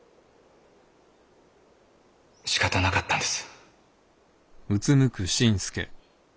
しかたなかったんです。